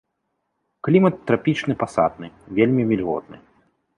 Клімат трапічны пасатны, вельмі вільготны.